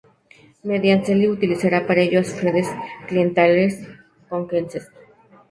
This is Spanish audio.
Medinaceli utilizará para ello a sus redes clientelares conquenses.